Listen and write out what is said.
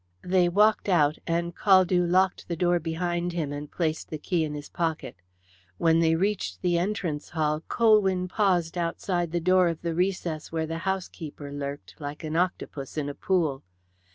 They walked out, and Caldew locked the door behind him and placed the key in his pocket. When they reached the entrance hall Colwyn paused outside the door of the recess where the housekeeper lurked, like an octopus in a pool.